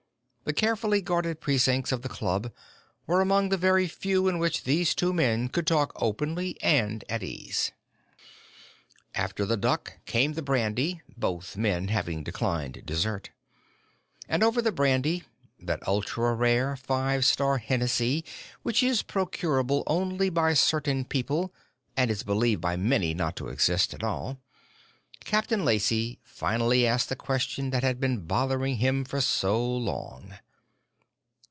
The carefully guarded precincts of the club were among the very few in which these two men could talk openly and at ease. After the duck came the brandy, both men having declined dessert. And over the brandy that ultra rare Five Star Hennessy which is procurable only by certain people and is believed by many not to exist at all Captain Lacey finally asked the question that had been bothering him for so long.